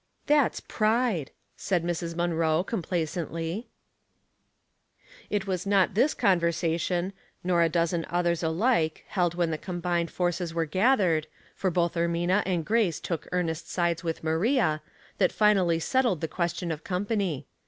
" That's pride," said Mrs. Munroe, comply cently. 214 Household Puzzles, It was not this conversation, nor a dozen others like, held when the combined forces were gathered, for both Ermina and Grace took ear nest bides with Maria, that finally settled the question of company.